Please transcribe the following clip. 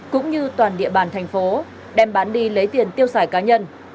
cũng như toàn địa bàn thành phố đem bán đi lấy tiền tiêu xài cá nhân